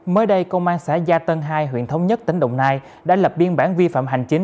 mới đây công an xã gia tân hai huyện thống nhất tỉnh đồng nai đã lập biên bản vi phạm hành chính